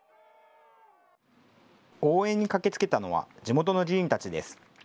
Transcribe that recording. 応援に駆けつけたのは、地元の議員たちです。